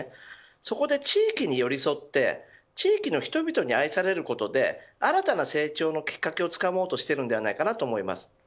そこで、地域に寄り添って地域の人々に愛されることで新たな成長のきっかけをつかもうとしていると思います。